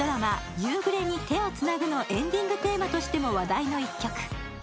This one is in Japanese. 「夕暮れに、手をつなぐ」のエンディングテーマとしても話題の１曲。